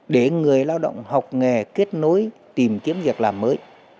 để người lao động học nghề kết nối tìm kiếm việc làm mới